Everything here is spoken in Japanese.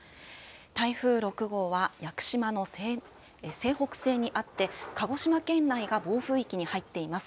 台風６号は、屋久島の西北西にあって、鹿児島県内が暴風域に入っています。